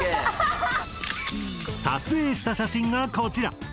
撮影した写真がこちら！